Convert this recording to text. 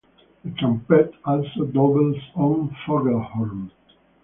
The trumpet also doubles on flugelhorn.